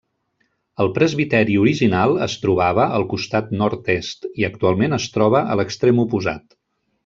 El presbiteri original es trobava al costat nord-est i actualment es troba a l'extrem oposat.